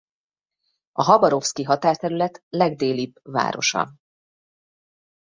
A Habarovszki határterület legdélibb városa.